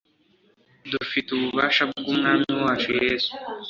dufite ububasha bw'Umwami wacu Yesu ,